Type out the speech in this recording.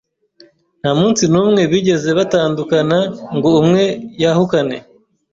nta munsi n’umwe bigeze batandukana ngo umwe yahukane